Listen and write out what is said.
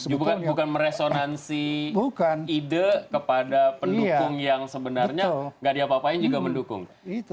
bukan meresonansi ide kepada pendukung yang sebenarnya gak diapa apain juga mendukung